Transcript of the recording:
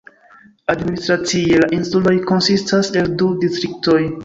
Administracie la insuloj konsistas el du distriktoj.